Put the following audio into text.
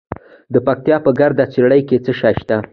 د پکتیا په ګرده څیړۍ کې څه شی شته؟